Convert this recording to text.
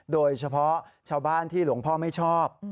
โดยเฉพาะชาวบ้านที่หลวงพ่อไม่ชอบ